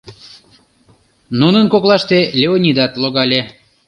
Нунын коклашке Леонидат логале.